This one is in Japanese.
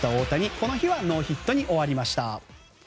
この日はノーヒットに終わりました。